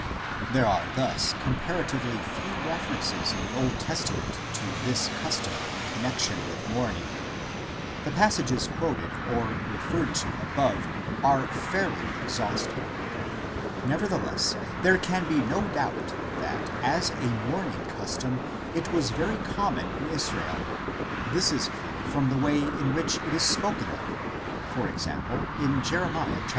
There are thus comparatively few references in the Old Testament to this custom in connexion with mourning ; the passages quoted or referred to above are fairly exhaus tive. Nevertheless, there can be no doubt that as a mourn ing custom it was very common in Israel ; this is clear from the way in which it is spoken of, e.g. in Jer. vi.